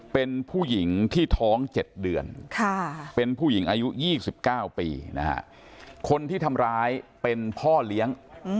เป็นผู้หญิงที่ท้อง๗เดือนเป็นผู้หญิงอายุ๒๙ปีนะฮะคนที่ทำร้ายเป็นพ่อเลี้ยง